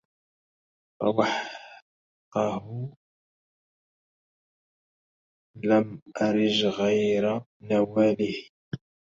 فوحقه لم أرج غير نواله